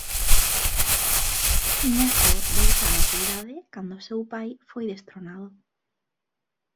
Tiña só dous anos de idade cando o seu pai foi destronado.